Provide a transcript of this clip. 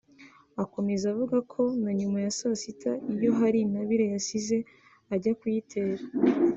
Akomeza avuga ko na nyuma ya saa sita iyo hari intabire yasize ajya kuyitera